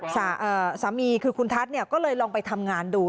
สามีคุณทัศน์ก็เลยลองไปทำงานดู